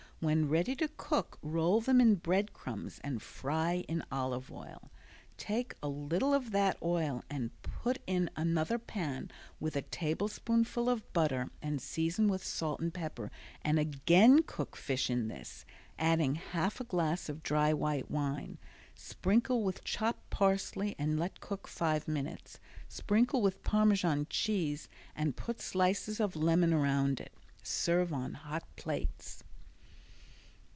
When ready to cook roll them in bread crumbs and fry in olive oil. Take a little of that oil and put in another pan with a tablespoonful of butter and season with salt and pepper and again cook fish in this, adding half a glass of dry white wine. Sprinkle with chopped parsley and let cook five minutes. Sprinkle with Parmesan cheese and put slices of lemon around it. Serve on hot plates.